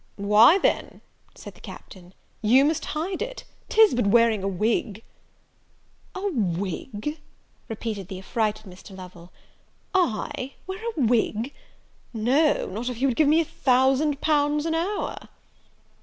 "Why then," said the Captain, "you must hide it; 'tis but wearing a wig." "A wig!" repeated the affrighted Mr. Lovel; "I wear a wig? no, not if you would give me a thousand pounds an hour!"